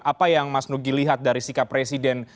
apa yang mas nugi lihat dari sikap presiden